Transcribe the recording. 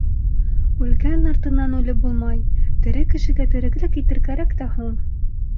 Үлгән артынан үлеп булмай, тере кешегә тереклек итер кәрәк тә һуң?